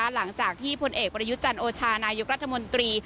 หลังจากที่พลเอกวรยุจรรย์โอชานายุครัฐมนตรี